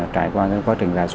trải qua quá trình ra sổ